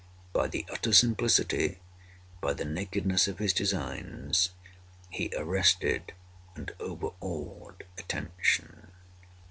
By the utter simplicity, by the nakedness of his designs, he arrested and overawed attention.